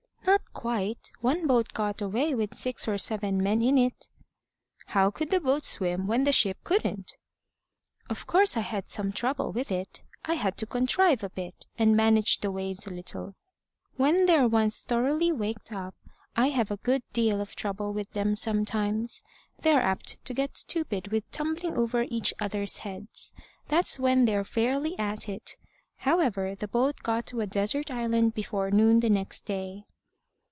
"Not quite. One boat got away with six or seven men in it." "How could the boat swim when the ship couldn't?" "Of course I had some trouble with it. I had to contrive a bit, and manage the waves a little. When they're once thoroughly waked up, I have a good deal of trouble with them sometimes. They're apt to get stupid with tumbling over each other's heads. That's when they're fairly at it. However, the boat got to a desert island before noon next day."